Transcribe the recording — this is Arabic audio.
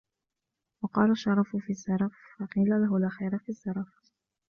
وَقَالَ الشَّرَفُ فِي السَّرَفِ ، فَقِيلَ لَهُ لَا خَيْرَ فِي السَّرَفِ